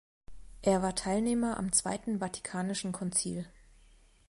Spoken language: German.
Er war Teilnehmer am Zweiten Vatikanischen Konzil.